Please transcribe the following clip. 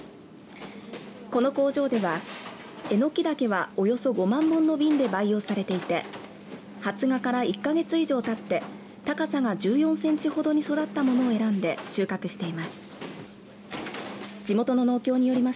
この工場ではエノキダケは、およそ５万本の瓶で培養されていて発芽から１か月以上たって高さが１４センチほどに育ったものを選んで収穫しています。